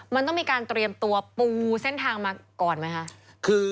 มันต้องมีการเตรียมตัวปูเส้นทางมาก่อนไหมคะ